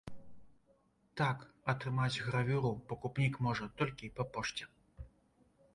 Так, атрымаць гравюру пакупнік можа толькі па пошце.